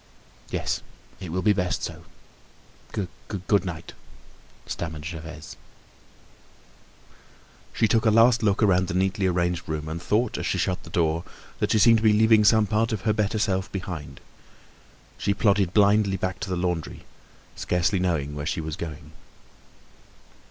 "Yes, it will be best so—good night," stammered Gervaise. She took a last look around the neatly arranged room and thought as she shut the door that she seemed to be leaving some part of her better self behind. She plodded blindly back to the laundry, scarcely knowing where she was going.